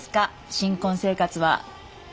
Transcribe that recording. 新婚生活は。